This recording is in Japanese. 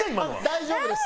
大丈夫です。